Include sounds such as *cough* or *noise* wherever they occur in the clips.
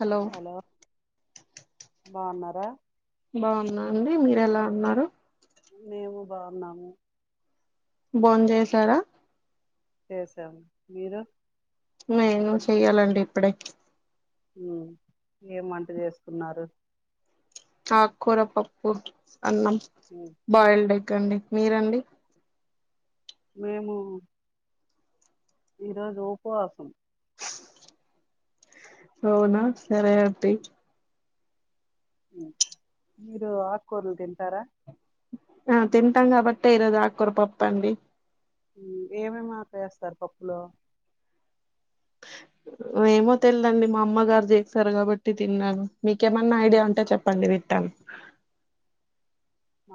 Hello బావున్నారా బాగున్నా అండి మీరెలా ఉన్నారు మేము బావున్నాము భోం చేసారా చేసాము, మీరు నేను చెయ్యాలండి ఇప్పుడే ఉమ్ ఏం వంట చేసుకున్నారు ఆక్కూర పప్పు అన్నం ఉమ్, బాయిల్డ్ ఎగ్ రండి మీరండి మేము ఈరోజు ఉపవాసం అవునా సరే అంటి మీరు ఆక్కూరలు తింటారా ఆ తింటాం కాబట్టే ఇరోజు ఆకూర పప్పండి ఏమేమాకులేస్తారు పప్పులో ఏమో తెలిదండి మా అమ్మగారు చేసారు కాబట్టి తిన్నాను మీకేమన్నా ఐడియా ఉంటే చెప్పండి వింటాను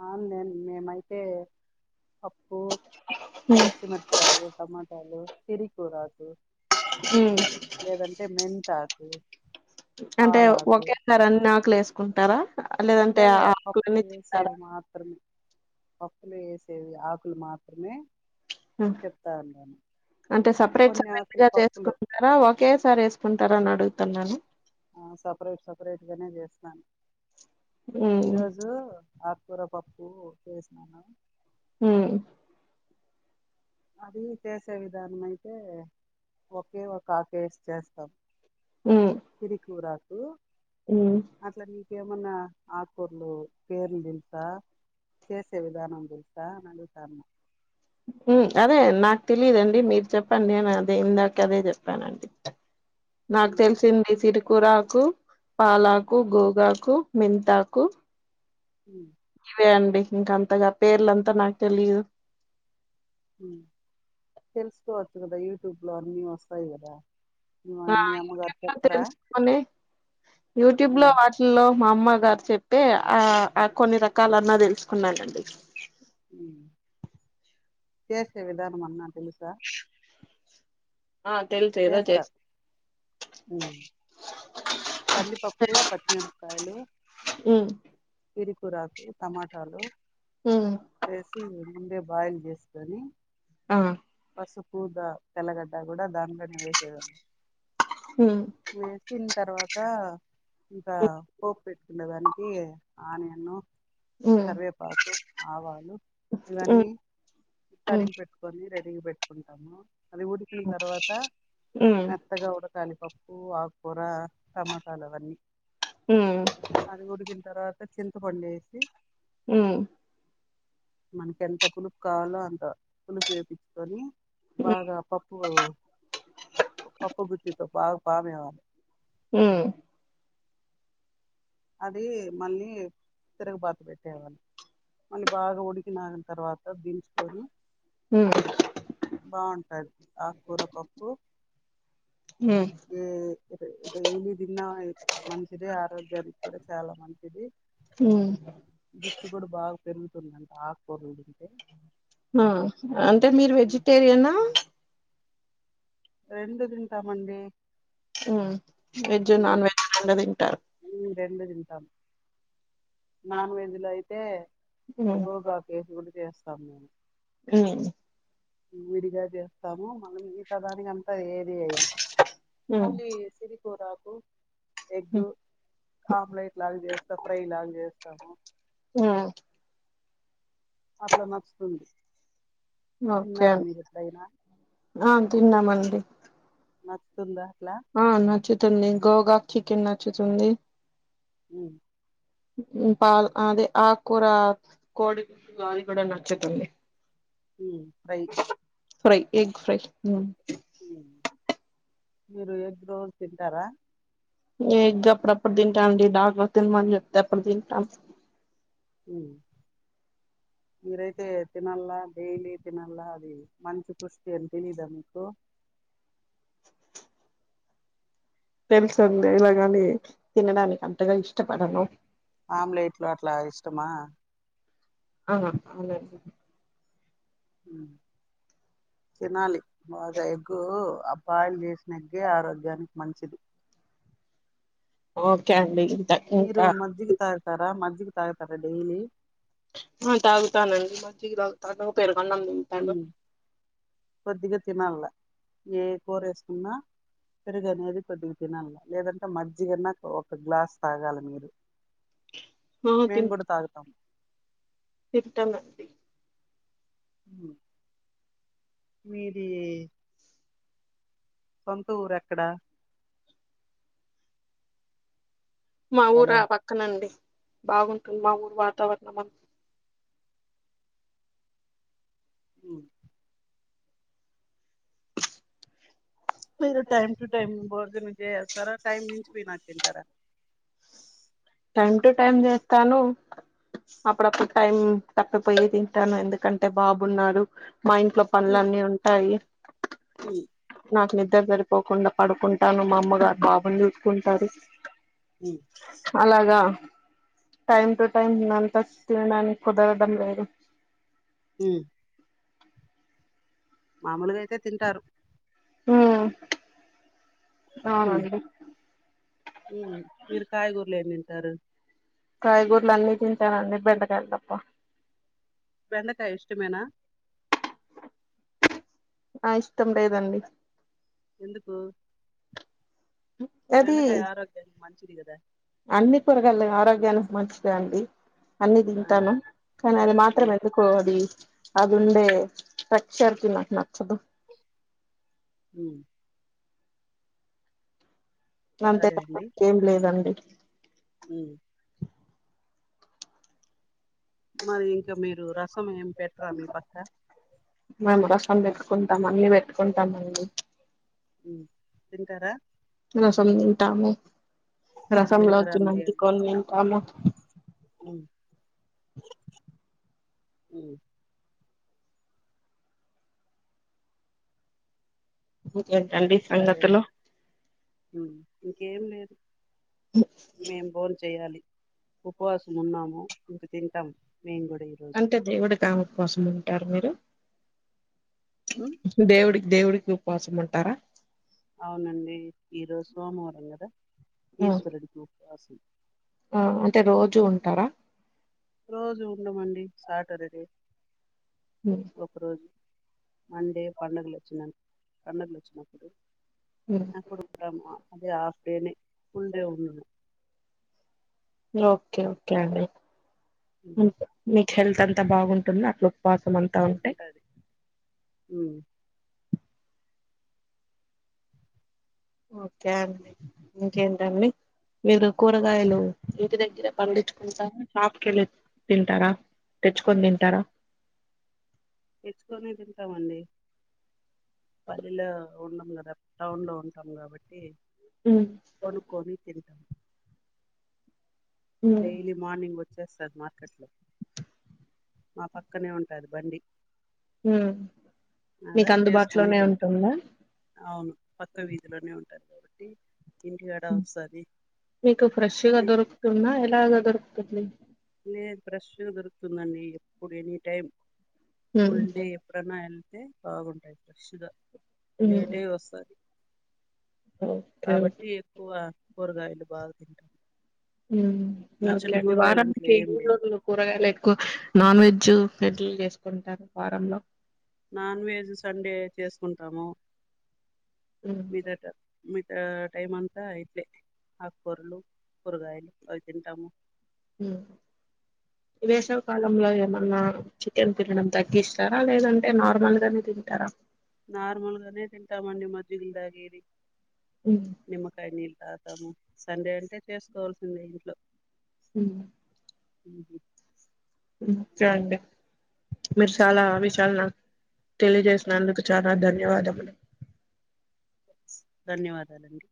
అ నేన్ మేమైతే పప్పు పచ్చి మిరపకాయలు టమాట రాలు శరి కో రాలు హు మెంతాకు అంటే పాలాకు ఒకే సార్ అ నాకు లేసుకుంటారా లేలే పప్పులో ఎసేది మాత్రమే పప్పులో వేసేవి ఆకులు మాత్రమే ఉ చెప్తా ఉన్నాను అంటే సపరేట్ కొన్ని ఆకులు సపగా పప్పులు చేసుకుంటారా ఒకే సారి వేసుకుంటారా అని అడుగు న్నాను ఆ సపరేట్ సపరేట్గానే చేస్తాను ఉమ్ ఈరోజు ఆకుకూర పప్పు చేసినాను హు అది చేసే విధానం అయితే ఒకే ఒక కేసు చేస్తాం ఉమ్ ఇది కూరా ఓ ఉమ్ ఎమన్నా ఆకూర్లు పేర్లు తెలుసా చేసే విధానం తెలుసా అనిడుగుతా అన్నా అదే నాకు తెలిదండి మీరు చెప్పండి నేను అదే ఇందాక అదే చెప్పానండి నాక్ తెల్సింది సిర్ కురకు పాలాకు గోగాకు మింతాకు ఉ లే అండి ఇంక అంతగా పేర్లంతా నాకు తెలిదు ఉ తెల్సుకోవచ్చు కదా యుట్యూబ్ లో అన్ని వస్తాయి కదా మీ మీ అమ్మగారు *unintelligible* చెప్పరా తెలుసుకాని యూట్యూబ్ లో ఉమ్, వాటిల్లో మా అమ్మ గారు చెప్తే ఆ ఆ కొన్ని రకాలన్నా తెలుసుకున్నానండి చేసే విధానం అన్నా తెలుసా ఆ తెలుసు ఎదో చేస్ చేస్తారు ఉమ్. కందిపప్పు పచ్చిమిరపకాయలు ఉమ్ ఇరి కురాకు టమాటాలు ఉమ్ వేసి ఇంగ ముందే బాయిల్ జేస్కొని ఆ పసుపు ద తెల్లగడ్డ గుడ దాన్లనే వేసేయా ఉమ్ వేసిన్ తర్వాత్ ఆ ఇంకా పోపు పెట్టుకుండెదానికి ఆనియను ఉమ్ కర్వేపాకు, ఆవాలు ఉమ్ ఇవన్నీ త్తలింపు పెట్టుకొని రెడ్ *unintelligible* పెట్టుకుంటాము. అది ఉడికిన్తర్వాత ఉమ్ మెత్తగా ఉడకాలి పప్పు. ఉ ఆకుకూర టమాటాలు అవన్నీ. ఉమ్ అది ఉడికింతర్వా చింతపండేసి ఉమ్ మనకెంత పులుపు కావాలో అంత పులుపు ఏపిచ్చుకొని బాగా పప్పులు పప్పు గుత్తి తో బా పామేయాల ఉమ్ అదీ మల్లి తిరగబాత పెట్టేవన్ని మళ్ళీ బాగా ఉడికిన తర్వాత దించుకొని. బావుంటది ఆకుకూర పప్పు ఉమ్ ఉ డైలీ తిన్న మంచిదే ఆరోగ్య కూడా చాల మంచిది. హూ జుట్టు కూడా బాగా పెరుగుతుందంట ఆక్కూరలు తింటే. ఆ, అంటే మీరు వెజిటేరియనా? రెండు తింటామండి. ఉమ్ వెజ్ నాన్ వెజ్ రెండు తింటారు. రెండు తింటాం నాన్ వెజ్ లో అయితే ఉమ్ గోగాకేసి గూడ జేస్ టము ఉ విడిగా జేస్తాము, మనం ఈ తరానికి అం ఏది ఐ ఉమ్ మళ్ళీ సిరి కూరాకు ఎగ్ ఉమ్ ఆమ్లెట్ లాగ జేస్త ఫ్రై లాగా చేస్ టము ఊ అట్ల నచ్చుతుంది ఓకె తిన్నారా మీరు ఎప్పుడైనా అం తిన్నామండి వస్తుందా ఆ నచ్చుతుంది గోగాక్ చికెన్ నచ్చుతుంది హుం ఉ పాల్ అదే ఆక్కుర కోడి గుడ్డు *unintelligible* కూడా నచ్చుతుంది హు రై ఫ్రై ఎగ్ ఫ్రై హు మీరు ఎగ్ రోజ్ తింటారా ఎగ్ అప్పుడప్పుడు తింటామండి డాక్టర్ తినమని చెప్తే అప్పుడు తింటాం ఉ మీరైతే తినల్ల డైలీ తినల్ల అది మంచి పుష్టి అని తెలీద మీకు తెలిసింది ఇలాగని తినడానికి అంతగా ఇష్టపడను. ఆమ్లెట్లు అట్లా ఇష్టమా ఆ అమ్లెట్లే హు తినాలి బాగా ఎగ్గూ ఆఫ్ బాయిల్ చేసిన ఎగ్గే ఆరోగ్యానికి మంచిది ఓకె అండి మీరు ఇంకా మజ్జిగ తాగ్ తార మజ్జిగి తాగుతారా డైలీ ఆ తాగుతానండి మజ్జిగ తాగుతాను పెరుగు హు కొద్దిగ తినల్ల ఏ కూర ఏసుకున్నా పెరుగనేది కొద్దిగ తినల్ల లేదంటే మజ్జిగన్నా ఒక గ్లాస్ తాగాల మీరు. మేమ్ కూడ తాగుతాం తింట నండి మీది ఏ సొంతూర్ ఎక్కడ మా ఊర హలో పక్కనండి బాగుంటుం మా ఊరు వాతావరణమ్ హు మీరు టైమ్ టు టైమ్ భోజనం చేస్తరా టైమ్ మించిపోయినాక తింటార టైం టు టైం చేస్తాను అప్పుడప్పుడు టైం తప్పిపోయి తింటాను ఎందుకంటే బాబున్నారు మా ఇంట్లో పన్లన్నీ ఉంటాయి ఊ నాకు నిద్ర సరిపోకుండ పడుకుంటాను మా అమ్మగారు బాబుని చూసుకుంటారు హు టైమ్ టు టైమ్ తినంత తినడానికి కుదరడం లేదు హు మామూలుగైతే తింటారు మ్మ్ అ అండి ఏమి మీరు కాయగూరలు ఏమే తరు కాయగూరలు అన్ని తింటానండి బెండకాయలు తప్ప బెండకాయ ఇష్టమేనా నా ఇష్టం లేదండి ఎందుకు అది బెండకాయ ఆరోగ్యానికి మంచిది కదా అన్ని కురగాయాలు ఆరోగ్యాన్ని మంచిదే అండి అన్ని తింటాను కానీ అది మాత్రం ఎందుకో అది అదుండే ఫెక్షర్కి నాకు నచ్చదు ఉమ్ అంతే ప ఏం లేదండి అ మరి ఇంకా మీరు రసం ఏం పెట్టారా మీ పక్క నం పెట్టుకుంటాం అన్ని పెట్టుకుంటాం అండి ఉమ్ తింటరా అలా సంటాము రసంలో జీలకర్ర వచ్చినోంచి కొన్ తింటాము మ్ మ్ ఏంటండీ సరే సంగతులు ఇంకేం లేదు మేం బోన్ చేయాలి ఉపవాసం ఉన్నాము ఇంక తింటాం మేము కూడా ఈరోజు అంటే దేవుడి కనుక కోసం ఉంటారు మీరు దేవుడికి దేవుడికి ఉపవాసం ఉంటారా అవునండి ఈరోజు సోమవారం కదా ఈశ్వరుడుకు రాసి ఆ అంటే రోజూ ఉంటారా రోజు ఉండమండి సాటర్డే ఉమ్, ఒక రోజు అంటే పండుగలు వచ్చినాపుడు కన్న ఉమ్. *unintelligible* అప్పుడుంటాము అది హాఫ్ డేనే ఫుల్ డే ఉంను ఓకే ఓకే అండి. మంత్ లే హెల్త్ అంతా బాగుంటుందా అట్లు.. ఉవాసం అంతా ఉంటే మ్మ్ ఓకే అండి ఇంకేంటండి. మీరు కూరగాయలు ఇంటి దగ్గరే పండించుకుంటారా షాప్కి కెళ్ళి తింటారా. తెచ్చుకొని తింటారా. తెచ్చుకొనే తింటామండి. పల్లిలో ఉండం గదా టౌన్ లో ఉంటాం కాబట్ *unintelligible* ఉమ్, కొనుకోని తింటాం. ఉమ్, డేలీ మార్నింగ్ వచ్చేస్త. మార్కెట్లో. మా పక్కనే ఉంటది బండి. మ్మ్ అర ఏసుకొని తింటంది అవును పక్క వీధిలోనే ఉంటంది కదా ది మీకు ఫ్రెష్ గా దొరుకుతుందా ఎలాగ దొరుకుతుంది. ఏ ఫ్రెష్ గా దొరుకుతుందండి ఎప్పుడు ఎని టైం ఉమ్, ఫుల్ డే ఎప్పుడనా.. అయితే బాగుంటాయి ఫ్రెష్ గా ఉమ్. డేటే వస్తాయ్ ఓకే ఓకే కాబట్టి ఎక్కువ కూరగాయలు బాగు- *unintelligible* మ్మ్ ఓకే అండి వారం. అంట్లు ఈ ఏం ఊర్లో లేవు మీరు కూరగాయలు ఎక్కువ నాన్ వెజ్ సెట్లు చేసుకుంటారు వారం లో నాన్ వెజ్ సండే చేసుకుంటాము హ్మ్ మీదట మీ టైమ్ అంతా ఇట్లే ఆకుకూరలు కూరగాయలు అవి తింటాము. వేసవి కాలంలో ఏమన్నా. చికెన్ తినడం తగ్గిస్తారా? లేదంటే నార్మల్ గానే తింటారా. నార్మల్గానే తింటామండి మజ్జిగల్ దాగేదీ. హ్మ్ నిమ్మకాయి నీళ్ళు త తము సండే అంటే చేసుకోవాల్సిందే ఇంట్లో హ్మ్మ్ మ్మ్ ఉంచా అండి మీరు చాలా ఆ విషాల తెలియజేసినందుకు చాలా ధన్యవాదములు. ధన్యవాదాలండి.